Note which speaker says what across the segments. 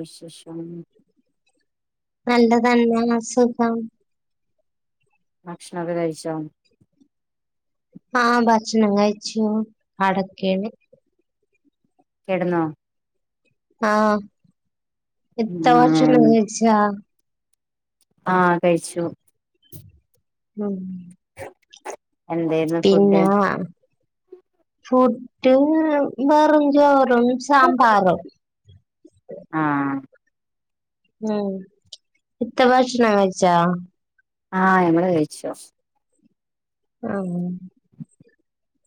Speaker 1: വിശേഷം
Speaker 2: നല്ലതന്നെയ അ സുഖം
Speaker 1: ഭക്ഷണൊക്കെ കഴിച്ചോ
Speaker 2: ആഹ് ഭക്ഷണം കഴിച്ചു കടക്കെയാണ്
Speaker 1: കിടന്നോ
Speaker 2: ആഹ് ഇത്ത ഭക്ഷണം
Speaker 1: ഉം
Speaker 2: കഴിച്ച
Speaker 1: ആഹ് കഴിച്ചു
Speaker 2: ഉം
Speaker 1: എന്തെ
Speaker 2: പിന്നാ ഫുഡ് വെറും ചോറും സാമ്പാറും
Speaker 1: ആഹ്
Speaker 2: ഉം ഇത്ത ഭക്ഷണം കഴിച്ച
Speaker 1: ആഹ് ഞങ്ങള് കഴിച്ചു
Speaker 2: ആഹ്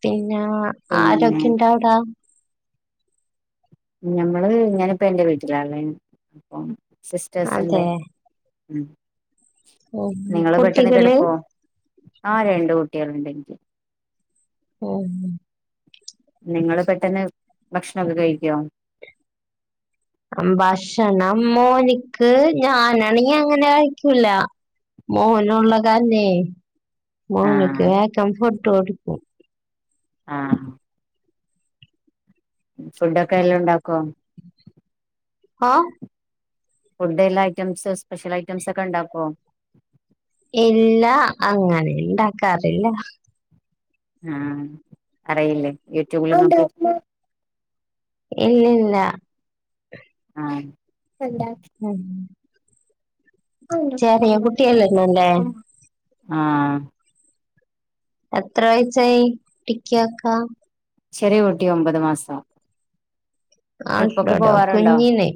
Speaker 2: പിന്നെ
Speaker 1: പിന്നെ
Speaker 2: ആരക്കെ ഇണ്ടവിടാ
Speaker 1: ഞമ്മള് ഞാനിപ്പ എന്റെ വീട്ടിലാള്ള അപ്പം സിസ്റ്റേഴസ് ഉണ്ട്
Speaker 2: അതെ
Speaker 1: ഉ
Speaker 2: ഉം
Speaker 1: നിങ്ങള് പെട്ടന്ന്
Speaker 2: കുട്ടികള്
Speaker 1: കെടുക്കുവോ ആഹ് രണ്ടു കുട്ടികളുണ്ട്െനിക്ക്
Speaker 2: ഉം
Speaker 1: നിങ്ങള്ൾ പെട്ടെന്ന് ഭക്ഷണൊക്കെ കഴിക്കോ
Speaker 2: ഭക്ഷണം മോനിക്ക് ഞാനാണീ അങ്ങനെ കഴിക്കൂല മോനുളള കാര്നേ മോനിക്ക്
Speaker 1: ആഹ്
Speaker 2: വേഗം ഫുഡ് കൊടുക്കും
Speaker 1: ആഹ് ഫുഡൊക്കെ എല്ലാം ഉണ്ടാക്കോ
Speaker 2: ആഹ്
Speaker 1: ഫുഡ് എല്ല ഐറ്റംസ് സ്പെഷ്യൽ ഐറ്റംസ് ഒക്കെ ഉണ്ടാക്കുമോ?
Speaker 2: ഇല്ലാ അങ്ങനെ ഉണ്ടാക്കാറില്ല
Speaker 1: ആഹ് അറിയില്ലേ യൂട്യൂബില് നോക്കി
Speaker 2: ഇല്ല ഇല്ല
Speaker 1: ആഹ്
Speaker 2: ഉം ചെറിയ കുട്ടിയല്ലെന്നല്ലേ
Speaker 1: ആഹ്
Speaker 2: എത്ര വഴച്ചായി ടിക്ക ആക്ക
Speaker 1: ചെറിയ കുട്ടീ ഒമ്പത് മാസം ട്രിപ്പൊക്കെ
Speaker 2: ആളുണ്ടോ
Speaker 1: പോവാറുണ്ടോ?
Speaker 2: കുഞ്ഞിന്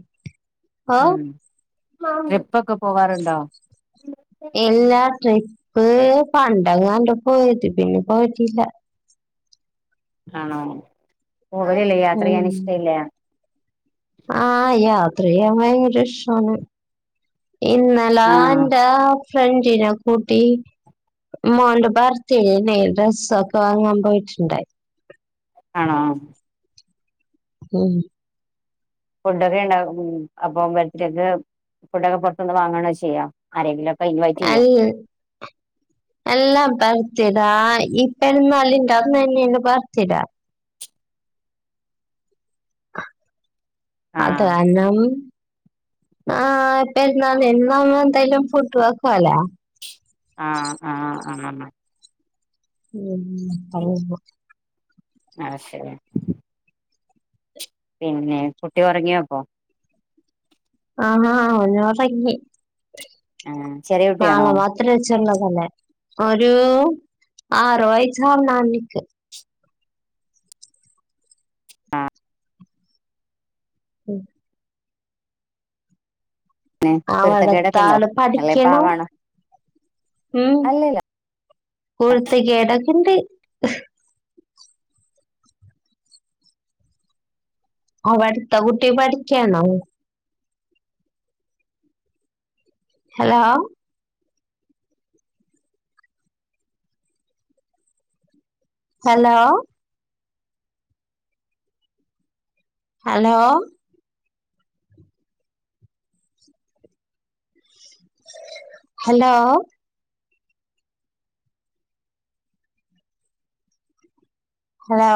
Speaker 2: ഓ
Speaker 1: ഉം ട്രിപ്പൊക്കെ പോവാറുണ്ടോ?
Speaker 2: ഇല്ലാ ട്രിപ്പ് പണ്ട കാണ്ട് പോയത് പിന്നെ പോയിട്ടില്ല
Speaker 1: ആണോ പോവലില്ലേ യാത്ര ചെയ്യൻ ഇഷ്ടമല്ല
Speaker 2: ആഹ് യാത്ര ചെയ്യാൻ ഭയങ്കര ഇഷ്ടമാണ് ഇന്നലാ
Speaker 1: ആഹ്
Speaker 2: എന്റെ ഫ്രണ്ടിനെ കൂട്ടി മോൾടെ ബർത്ത്ഡേ ഡ്രസ് ഒക്കെ വാങ്ങാൻ പോയിട്ടുണ്ടായി
Speaker 1: ആണോ
Speaker 2: ഉം
Speaker 1: ഫുഡൊക്കെ ഇണ്ടാക്കും അപ്പൊ ബർത്ത്ഡേക്ക് ഫുഡൊക്കെ പൊറ്ത്ത്ന്ന് വാങ്ങാണോ ചെയ്യാ? ആരെങ്കിലൊക്കയ്നു ആയി
Speaker 2: അൽ അല്ലാ ബർത്തിഡാ ഇപെരുന്നാളിൻ്റന്നന്നേണ് ബർത്തിട. അത്
Speaker 1: ആഹ്
Speaker 2: കാരണം ആഹ് ഇപ്പരുന്നാൾന് ഇന്നാഉമ്പോ എന്തായലും ഫുഡ് വെക്കോലോ.
Speaker 1: ആഹ് ആഹ് ആന്നാണ്
Speaker 2: ഉം ഉം പറയുമ്പോ
Speaker 1: ആ ശെരി പിന്നെ കുട്ടി ഒറ്ങ്ങിയോപ്പൊ?
Speaker 2: ആഹ്ആഹ് ഓനൊറങ്ങി
Speaker 1: ആഹ് ചെറിയ കുട്ടിയാണോ
Speaker 2: നാളെ മദ് ദ്രച്ചുള്ളതല്ലെ. ഒരൂ ആറുവയസാവന്നോണിക്ക്
Speaker 1: ആഹ്
Speaker 2: ഉം
Speaker 1: പിന്നെ കുരുത്തക്കേടൊക്കെ ഉണ്ടോ
Speaker 2: ആവടത്താല്
Speaker 1: അല്ലെ
Speaker 2: പഠിക്കണം.
Speaker 1: പാവാണോ
Speaker 2: ഉം
Speaker 1: അല്ലല്ല
Speaker 2: കുരുത്തേക്കേടൊക്ക്ണ്ട്. അവട്ത്തെ കുട്ടി പഠിക്കാണോ? Hello hello hello hello hello